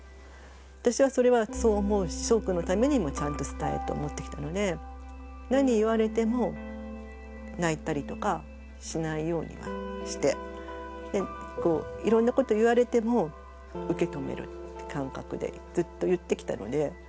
私はそれはそう思うししょうくんのためにもちゃんと伝えると思ってきたので何言われても泣いたりとかしないようにはしていろんなこと言われても受け止める感覚でずっと言ってきたので。